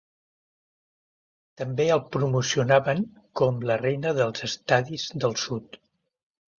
També el promocionaven com "la reina dels estadis del sud".